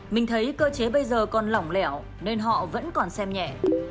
mình thấy cơ chế bây giờ còn lỏng lẻo nên họ vẫn còn xem nhẹ